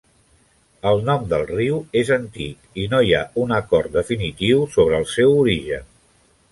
El nom del riu és antic i no hi ha un acord definitiu sobre el seu origen.